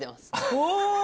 お！